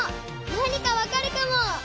何かわかるかも！